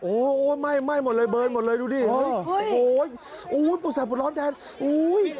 โอ้โหไหม้หมดเลยเบิร์นหมดเลยดูดิโอ้ยโอ้ยโอ้ยปุ่นแสบปุ่นร้อนแทนโอ้ย